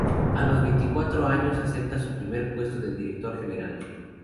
A los veinticuatro años acepta su primer puesto de Director General.